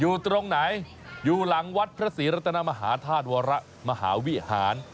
อยู่ตรงไหนอยู่หลังวัดพระศรีรัตนมหาธาตุวรมหาวิหาร